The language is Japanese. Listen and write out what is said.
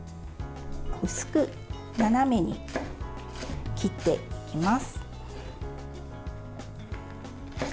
薄く斜めに切っていきます。